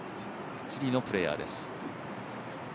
チリのプレーヤーです。